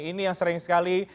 ini yang sering sekali